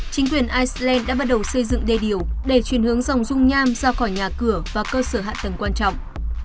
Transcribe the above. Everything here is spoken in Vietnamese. chính quyền iceland đã bắt đầu xây dựng đê điều để chuyển hướng dòng dung nham ra khỏi nhà cửa và cơ sở hạ tầng quan trọng